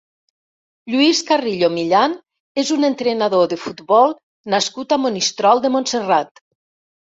Lluís Carrillo Millan és un entrenador de futbol nascut a Monistrol de Montserrat.